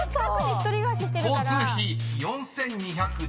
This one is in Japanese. ［「交通費」４，２１０円］